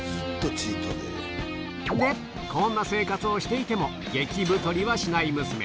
んで、こんな生活をしていても激太りはしない娘。